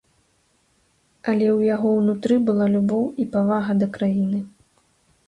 Але ў яго ўнутры была любоў і павага да краіны.